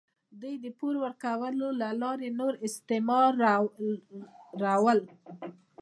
دوی د پور ورکولو له لارې نور استثمارول.